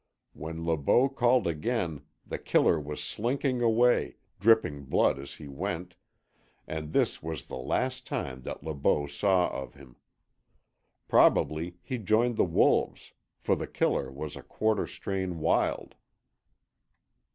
When Le Beau called again The Killer was slinking away, dripping blood as he went and this was the last that Le Beau saw of him. Probably he joined the wolves, for The Killer was a quarter strain wild.